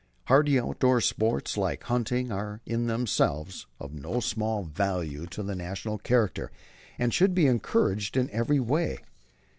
"Hardy outdoor sports, like hunting, are in themselves of no small value to the National character and should be encouraged in every way.